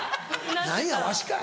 何やわしかい。